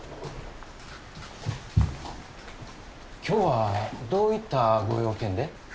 今日はどういったご用件で？